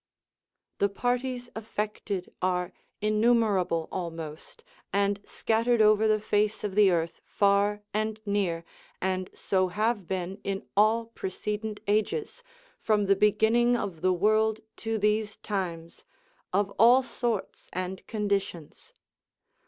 The parties affected are innumerable almost, and scattered over the face of the earth, far and near, and so have been in all precedent ages, from the beginning of the world to these times, of all sorts and conditions.